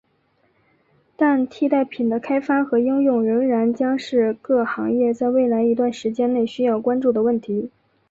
但替代品的开发和应用仍然将是各行业在未来一段时期内需要关注的问题。